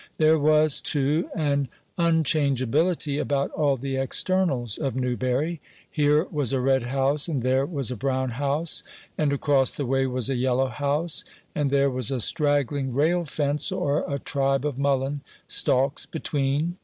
There was, too, an unchangeability about all the externals of Newbury. Here was a red house, and there was a brown house, and across the way was a yellow house; and there was a straggling rail fence or a tribe of mullein stalks between.